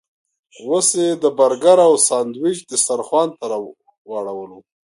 اوس یې د برګر او ساندویچ دسترخوان ته واړولو.